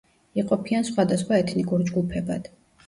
იყოფიან სხვადასხვა ეთნიკურ ჯგუფებად.